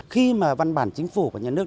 khi mà văn bản chính phủ của nhà nước